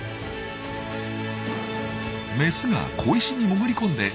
メスが小石に潜り込んで産卵開始。